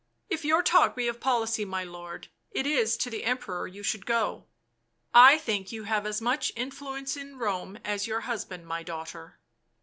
" If your talk be of policy, my lord, it is to the Emperor you should go." " I think you have as much influence in Rome as your husband, my daughter."